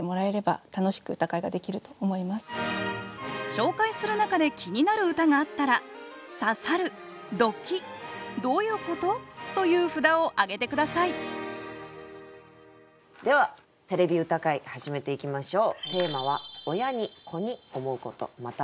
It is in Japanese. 紹介する中で気になる歌があったら「刺さる」「ドキッ」「どういうこと？」という札を挙げて下さいでは「てれび歌会」始めていきましょう。